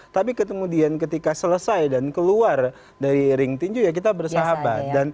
tapi kemudian ketika selesai dan keluar dari ring tinju ya kita bersahabat